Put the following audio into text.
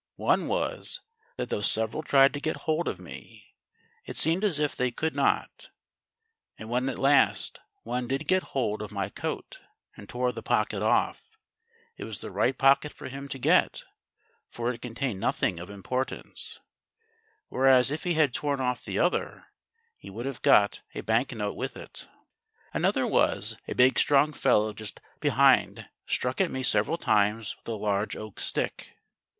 One was, that though several tried to get hold of me, it seemed as if they could not, and when at last one did get hold of my coat and tore the pocket off, it was the right pocket for him to get, for it contained nothing of importance; whereas if he had torn off the other he would have got a bank note with it. "Another was, a big strong fellow just behind struck at me several times with a large oak stick.